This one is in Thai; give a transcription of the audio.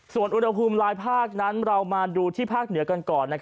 ส่วนอุณหภูมิลายภาคนั้นเรามาดูที่ภาคเหนือกันก่อน